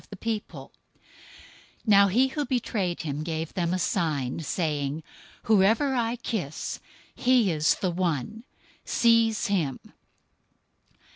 026:048 Now he who betrayed him gave them a sign, saying, "Whoever I kiss, he is the one. Seize him."